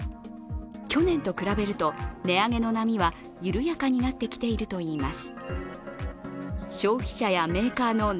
去年と比べると、値上げの波は緩やかになってきているといいます。